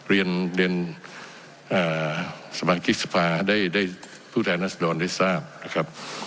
เรียนสมัครภิกษภาค๑๙๓๗ได้ผู้แท้นัศดรได้ทราบนะครับ